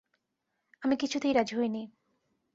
আমি কিছুতেই রাজি হই নি।